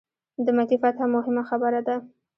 د مکې فتح موهمه خبره ده.